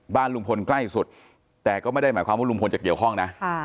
บ้านลุงพลใกล้สุดแต่ก็ไม่ได้หมายความว่าลุงพลจะเกี่ยวข้องนะ